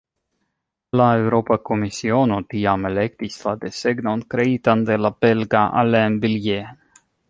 La Eŭropa Komisiono tiam elektis la desegnon kreitan de la belga Alain Billiet.